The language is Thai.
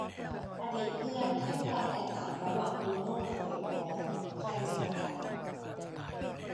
อดีตเพื่อน เทียบความแตกต่างระหว่าง บรูโน่ กับ เดอ บรอยน์ ใครเจ๋งกว่ากัน